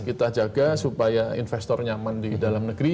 kita jaga supaya investor nyaman di dalam negeri